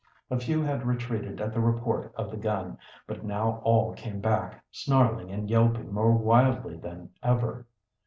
A few had retreated at the report of the gun, but now all came back, snarling and yelping more wildly than ever.